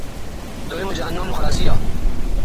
دویوں جہنم نو خلاصی دی یا